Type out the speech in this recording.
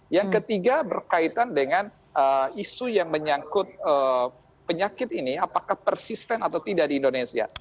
yang ketiga berkaitan dengan isu yang menyangkut penyakit ini apakah persisten atau tidak di indonesia